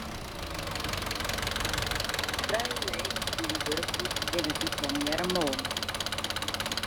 Trije leden fan dy wurkgroep binne diplomearre moolner.